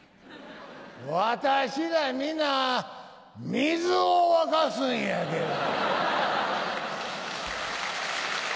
私ら皆水を沸かすんやけど。